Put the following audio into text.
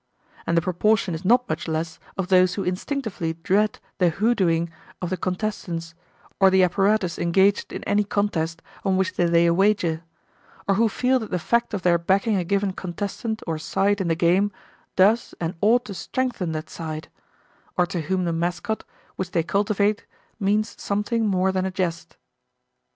And the proportion is not much less of those who instinctively dread the "hoodooing" of the contestants or the apparatus engaged in any contest on which they lay a wager; or who feel that the fact of their backing a given contestant or side in the game does and ought to strengthen that side; or to whom the "mascot" which they cultivate means something more than a jest.